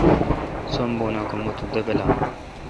سم بون اں کہ مہ تو دبلام